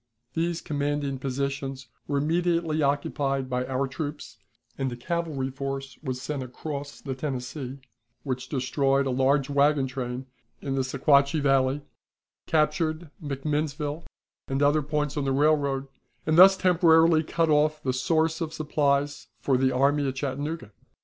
These commanding positions were immediately occupied by our troops, and a cavalry force was sent across the Tennessee, which destroyed a large wagon train in the Sequatchie Valley, captured McMinnsville and other points on the railroad, and thus temporarily cut off the source of supplies for the army at Chattanooga.